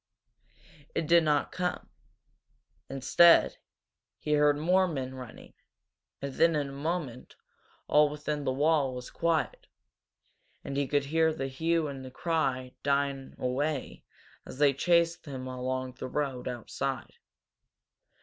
It did not come. Instead, he heard more men running, and then in a moment all within the wall was quiet, and he could hear the hue and cry dying away as they chased him along the road outside.